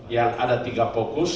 yang ada tiga fokus